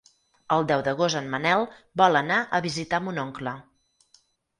El deu d'agost en Manel vol anar a visitar mon oncle.